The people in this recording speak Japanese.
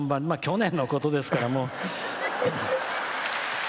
もう去年のことですからね。